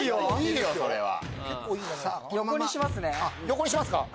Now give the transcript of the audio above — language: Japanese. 横にしますね。